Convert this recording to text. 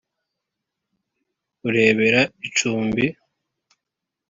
urebera icumbi